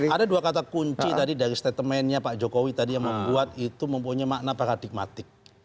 ada dua kata kunci tadi dari statementnya pak jokowi tadi yang membuat itu mempunyai makna paradigmatik